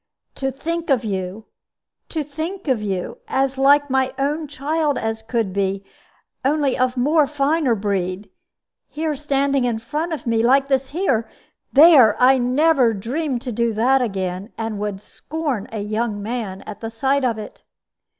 To think of you to think of you as like my own child as could be only of more finer breed here standing in front of me, like this here! There! I never dreamed to do that again, and would scorn a young man at the sight of it."